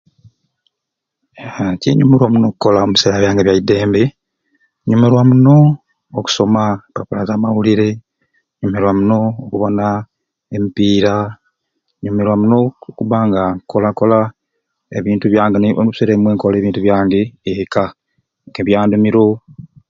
Aaa ekyenyumira muno okola ombiseera byange ebyaidembe nyumirwa muno okusoma empapula zamawulire, nyumirwa muno okubona empiira, nyumirwa muno okubanga nkolakola ebintu byange ni omubiseera ebimwei nkola ebintu byange ekka nke bya ndimiiro.